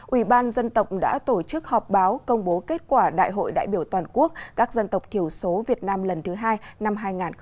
ubnd đã tổ chức họp báo công bố kết quả đại hội đại biểu toàn quốc các dân tộc thiểu số việt nam lần thứ hai năm hai nghìn hai mươi